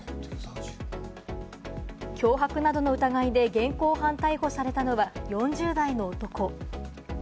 脅迫などの疑いで現行犯逮捕されたのは４０代の男。